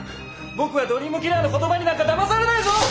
僕はドリームキラーの言葉になんかだまされないぞ！